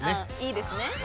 いいですね。